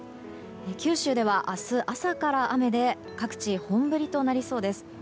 九州では明日朝から雨で各地本降りとなりそうです。